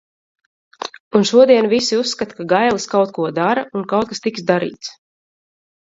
Un šodien visi uzskata, ka Gailis kaut ko dara un kaut kas tiks darīts.